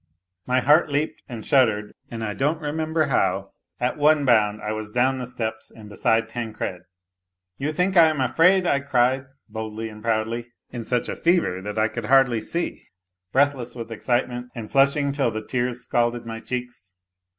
My heart leaped and shuddered, and I don't remember how, at one bound, 1 \v;is down the steps and beside Tancred. " You think I am afraid? " I cried, boldly and proudly, in such a fever that I could hardly see, breathless with excitement, and flushing till the tears scalded my cheeks.